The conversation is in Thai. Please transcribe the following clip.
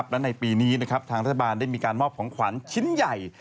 และในปีนี้ทางรัฐบาลได้มีการมอบของขวัญชิ้นใหญ่